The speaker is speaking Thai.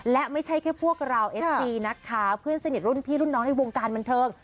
และไม่ใช่แค่พวกเราเอฟซีนะคะเพื่อนสนิทรุ่นพี่รุ่นน้องในวงการบันเทิง